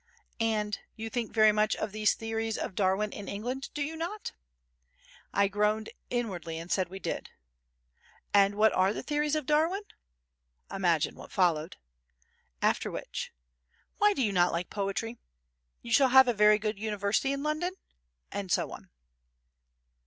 "And you think very much of the theories of Darwin in England, do you not?" I groaned inwardly and said we did. "And what are the theories of Darwin?" Imagine what followed! After which: "Why do you not like poetry?—You shall have a very good university in London?" and so on.